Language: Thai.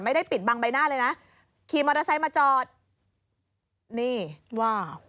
ไม่ได้ปิดบังใบหน้าเลยนะขี่มอเตอร์ไซค์มาจอดนี่ว้าว